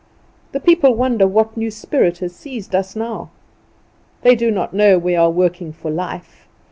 The people wonder what new spirit has seized us now. They do not know we are working for life.